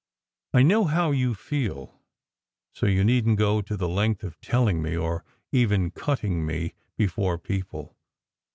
I know how you feel, so you needn t go to the length of telling me, or even cutting me, before people.